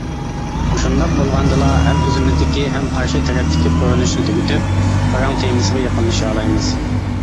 مۇشۇنداق بولغاندىلا، ھەم ئۆزىمىزدىكى، ھەم قارشى تەرەپتىكى قورۇنۇشنى تۈگىتىپ، پاراڭ تېمىسىغا يېقىنلىشالايمىز.